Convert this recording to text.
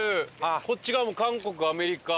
こっち側も韓国アメリカ。